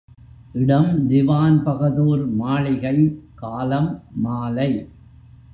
இடம் திவான்பகதூர் மாளிகை காலம் மாலை.